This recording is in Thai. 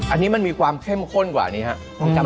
อันนี้มันมีความเข้มข้นกว่านี้ครับ